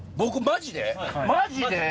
マジで。